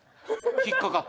引っかかった。